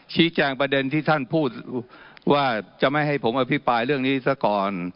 ประเด็นที่ท่านพูดว่าจะไม่ให้ผมอภิปรายเรื่องนี้ซะก่อน